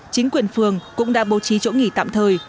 chính quyền phường cũng đã bố trí chỗ nghỉ tạm thời